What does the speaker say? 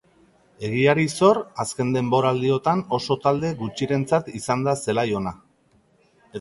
Egiari zor, azken denboraldiotan oso talde gutxirentzat izan da zelai ona.